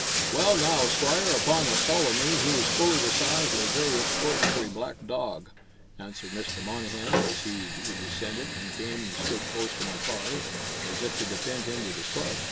"Well, now, Squire, upon the sowl o' me, he was fully the size of a very extraordinary black dog," answered Mr. Monnehan, as he descended and came and stood close to my father, as if to defend him with his club.